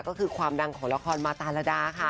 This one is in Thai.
ก็คือความดังของละครมาตาระดาค่ะ